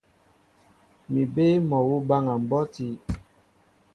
Mi bé mol awǔ baŋa mbɔ́ti.